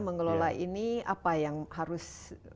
mengelola ini apa yang harus